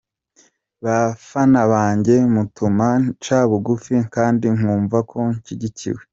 Bafana banjye mutuma nca bugufi kandi nkumva ko nshyigikiwe.